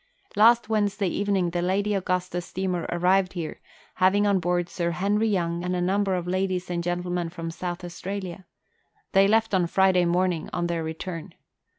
Last Wednesday evening the Lady Augusta steamer arrived here, having on board Sir Henry Young and a number of ladies and gentlemen from South Australia. They left on Friday morning on their return.